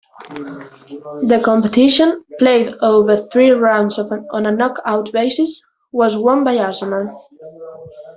The competition, played over three rounds on a knock-out basis, was won by Arsenal.